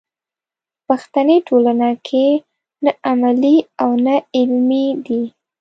په پښتني ټولنه کې نه عملي او نه علمي دی.